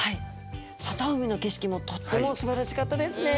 外海の景色もとってもすばらしかったですね！